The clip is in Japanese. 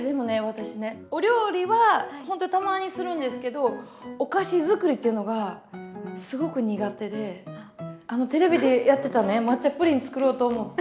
私ねお料理はほんとにたまにするんですけどお菓子づくりっていうのがすごく苦手であのテレビでやってたね抹茶プリン作ろうと思って。